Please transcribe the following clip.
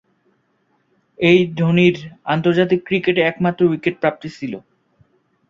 এটিই ধোনি’র আন্তর্জাতিক ক্রিকেটে একমাত্র উইকেট প্রাপ্তি ছিল।